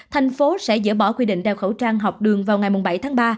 thành phố sẽ dỡ bỏ quy định đeo khẩu trang học đường vào ngày bảy tháng ba